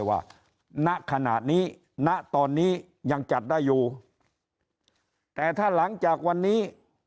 ณขณะนี้ณตอนนี้ยังจัดได้อยู่แต่ถ้าหลังจากวันนี้